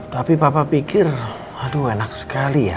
tapi papa pikir aduh enak sekali ya